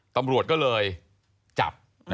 ตำรวจก็เลยจับ